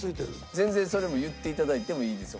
全然それも言っていただいてもいいですよ